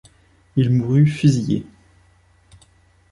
Il mourut fusillé.